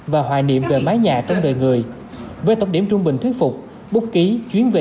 và hoài niệm về mái nhà trong đời người với tổng điểm trung bình thuyết phục bút ký chuyến về